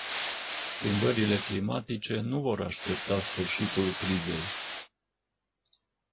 Schimbările climatice nu vor aștepta sfârșitul crizei.